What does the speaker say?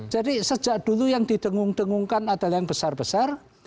jadi sejak dulu yang didengung dengungkan adalah yang besar besar